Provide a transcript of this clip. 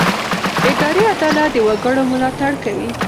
اداري عدالت د وګړو ملاتړ کوي.